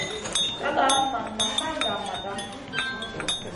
Caga nan ma kal gah Maga.